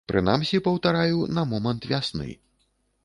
Прынамсі, паўтараю, на момант вясны.